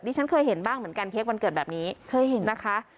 ฉันเคยเห็นบ้างเหมือนกันเค้กวันเกิดแบบนี้เคยเห็นนะคะ